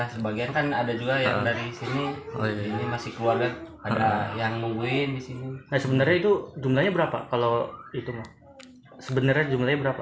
sebagian kan ada juga yang dari sini ini masih keluarga